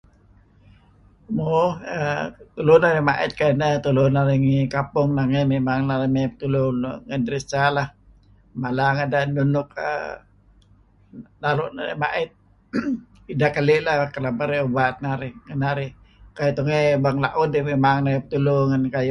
Mo err tulu narih ma'it kinah tulu narih ngi kampong nangey memang narih mey petulu ngan Dresser lah, mala ngedah enun nuk naru' narih ma'it keleh ideh kereb keli' kah merey ubat narih. Kayu' tungey bang bawang la'ud memang narih mey petulu ngan kayu'